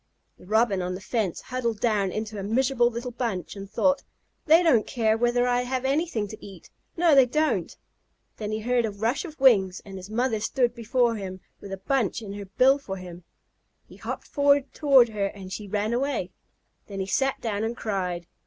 The Robin on the fence huddled down into a miserable little bunch, and thought: "They don't care whether I ever have anything to eat. No, they don't!" Then he heard a rush of wings, and his mother stood before him with a bunch in her bill for him. He hopped toward her and she ran away. Then he sat down and cried.